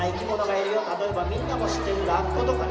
例えばみんなも知ってるラッコとかね。